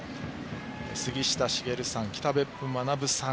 杉下茂さん、北別府学さん